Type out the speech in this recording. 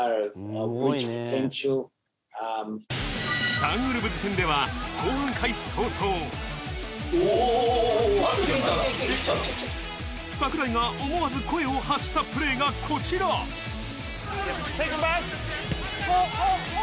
サンウルブズ戦では後半開始早々櫻井が思わず声を発したプレーがこちらおう！